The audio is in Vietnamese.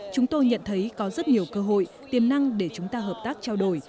chúng tôi nhận thấy có rất nhiều cơ hội tiềm năng để chúng ta hợp tác trao đổi